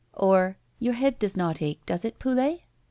" or "Your head does not ache, does it Poulet?"